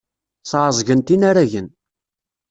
Sɛeẓgent inaragen.